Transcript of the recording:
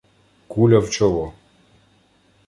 куля в чоло.